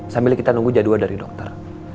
sambil kita nunggu jadwal dari dokter